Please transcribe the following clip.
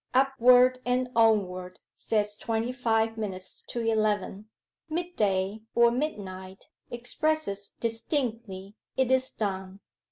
"Upward and onward" says twenty five minutes to eleven. Mid day or midnight expresses distinctly "It is done."